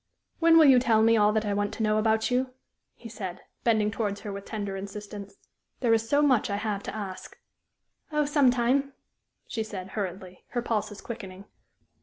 "When will you tell me all that I want to know about you?" he said, bending towards her with tender insistence. "There is so much I have to ask." "Oh, some time," she said, hurriedly, her pulses quickening.